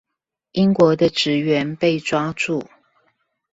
英國的職員被抓住